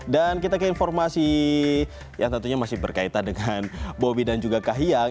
dan kita ke informasi yang tentunya masih berkaitan dengan bobi dan juga kahiyang